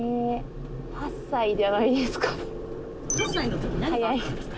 ８歳じゃないですかね。